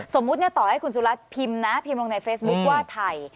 ต่อให้คุณสุรัตนพิมพ์นะพิมพ์ลงในเฟซบุ๊คว่าไทย